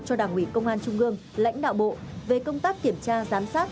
cho đảng ủy công an trung ương lãnh đạo bộ về công tác kiểm tra giám sát